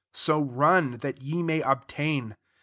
So run, that ye may obtain.